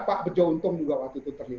pak bejo untung juga waktu itu terlibat